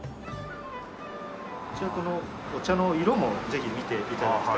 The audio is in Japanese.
こちらこのお茶の色もぜひ見て頂きたい。